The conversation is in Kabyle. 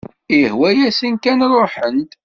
Ihwa-yasen kan ruḥen-d.